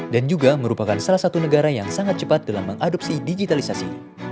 dan juga merupakan salah satu negara yang sangat cepat dalam mengadopsi digitalisasi